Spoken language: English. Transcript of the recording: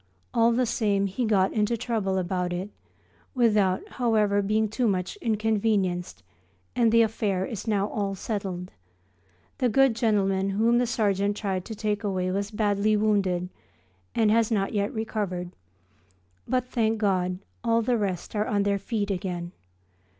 All the same he got into trouble about it, without, however, being too much inconvenienced, and the affair is now all settled. The good gentleman whom the sergeant tried to take away was badly wounded and has not yet recovered; but thank God all the rest are on their feet again.